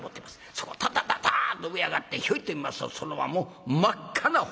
そこタタタターッと上へ上がってヒョイと見ますとそれはもう真っ赤な炎。